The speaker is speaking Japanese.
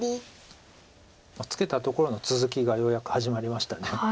ツケたところの続きがようやく始まりました。